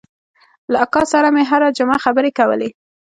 له اکا سره مې هره جمعه خبرې کولې.